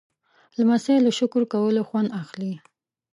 لمسی له شکر کولو خوند اخلي.